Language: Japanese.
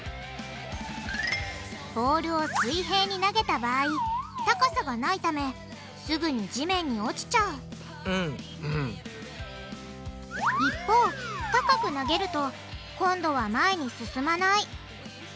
ボールを水平に投げた場合高さがないためすぐに地面に落ちちゃう一方高く投げると今度は前に進まない。